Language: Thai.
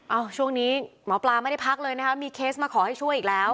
ช่วงนี้หมอปลาไม่ได้พักเลยนะคะมีเคสมาขอให้ช่วยอีกแล้ว